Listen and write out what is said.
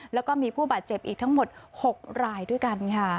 แล้วก็มีผู้บาดเจ็บอีกทั้งหมด๖รายด้วยกันค่ะ